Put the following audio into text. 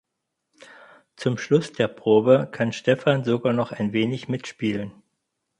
Zum Schluss der Probe kann Stefan sogar noch ein wenig mitspielen.